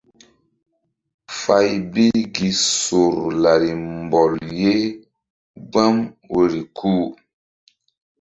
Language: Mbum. Fay bi gi sor lari mbɔl ye gbam woyri ku.